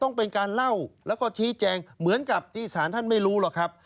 ต้องเป็นการเล่าแล้วก็ชี้แจงเหมือนกับที่สารท่านไม่รู้หรอกครับ